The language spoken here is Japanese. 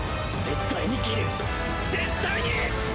絶対に斬る！絶対に！！